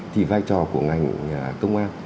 thì vai trò của ngành công an